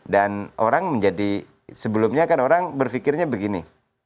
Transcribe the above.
dan orang menjadi sebelumnya kan orang berfikirnya begini